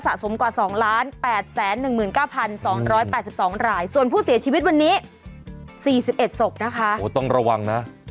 สะสมกว่า๒๘๑๙๒๘๒ราย